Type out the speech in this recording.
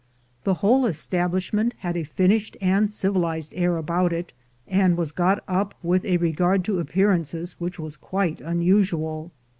The whole establishment had a finished and civil ized air about it, and was got up with a regard to appearances which was quite unusual.